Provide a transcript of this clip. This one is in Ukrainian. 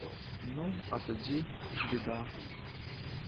Ну, а тоді — біда!